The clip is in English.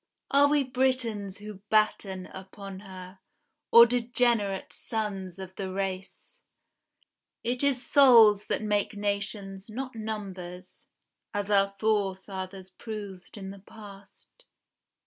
Are we Britons who batten upon her, Or degenerate sons of the race? It is souls that make nations, not numbers, As our forefathers proved in the past.